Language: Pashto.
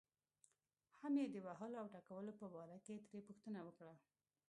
هم یې د وهلو او ټکولو په باره کې ترې پوښتنه وکړه.